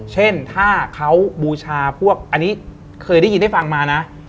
เช่นถ้าเขาบูชาพวกอันนี้เคยได้ยินได้ฟังมานะ